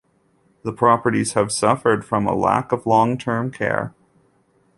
The properties have suffered from a lack of long-term care.